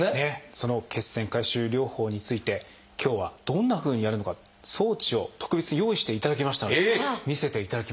その血栓回収療法について今日はどんなふうにやるのか装置を特別に用意していただきましたので見せていただきましょう。